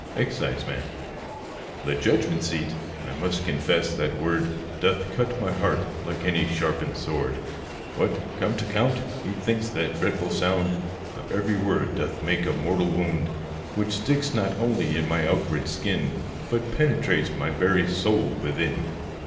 EXCISEMAN. The judgment seat! I must confess that word Doth cut my heart, like any sharpened sword: What! come t' account! methinks the dreadful sound Of every word doth make a mortal wound, Which sticks not only in my outward skin, But penetrates my very soul within.